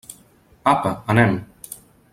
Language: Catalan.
Apa, anem!